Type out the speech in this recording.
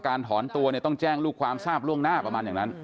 ถอนตัวเนี่ยต้องแจ้งลูกความทราบล่วงหน้าประมาณอย่างนั้น